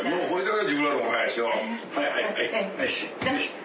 はいはいはい。